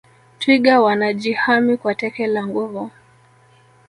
twiga wanajihami kwa teke la nguvu